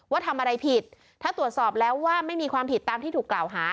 ว่าทำอะไรผิดถ้าตรวจสอบแล้วว่าไม่มีความผิดตามที่ถูกกล่าวหา